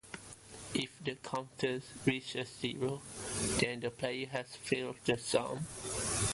If the counter reaches zero then the player has failed the song.